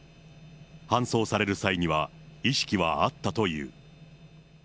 搬送される際には、意識はあったという。